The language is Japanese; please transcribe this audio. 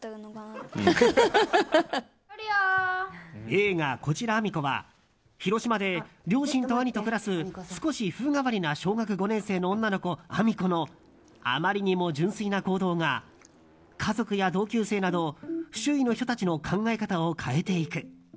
映画「こちらあみ子」は広島で両親と兄と暮らす少し風変わりな小学５年生の女の子あみ子のあまりにも純粋な行動が家族や同級生など周囲の人たちの考え方を変えていく。